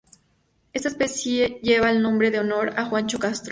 Esta especie lleva el nombre en honor a Juancho Castro.